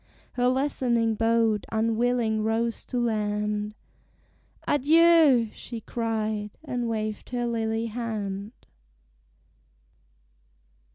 Her lessening boat unwilling rows to land; "Adieu!" she cried; and waved her lily hand.